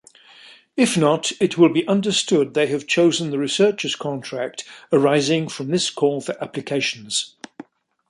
If not, it will be understood they have chosen the researcher’s contract arising from this call for applications.